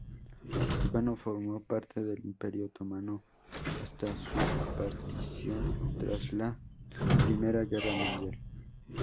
Líbano formó parte del Imperio Otomano hasta su partición tras la I Guerra Mundial.